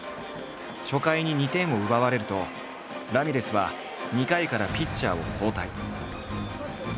初回に２点を奪われるとラミレスは２回からピッチャーを交代。